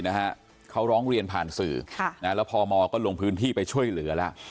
พี่เค้าร้องเรียนผ่านสื่อแล้วพอหมอก็ลงพื้นที่ไปช่วยเหลือแล้ว